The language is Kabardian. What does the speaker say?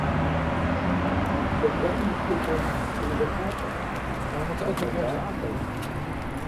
Сэхураным и жылэхэм шхыныгъуэ лъапӀэ - сэхуран дагъэ - къыхащӀыкӀ.